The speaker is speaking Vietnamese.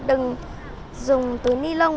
đừng dùng tứ ni lông